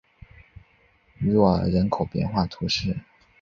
若尔人口变化图示